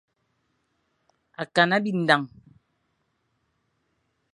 Akana bindañ.